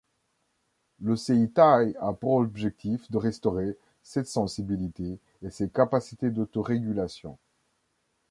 Le Seitai a pour objectif de restaurer cette sensibilité et ces capacités d'auto-régulation.